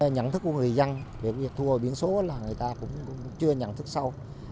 nhắn thức của người dân thua biến số là người ta cũng chưa nhắn thức sau